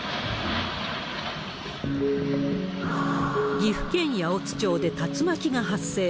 岐阜県八百津町で竜巻が発生。